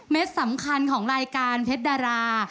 สำคัญของรายการเพชรดารา